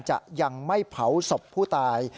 จะยังไม่เผาศพผู้ตาย